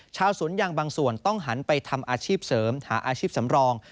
ชาวสวนยางบางส่วนต้องหันไปทำอาชีพเสริมหาอาชีพสำรอง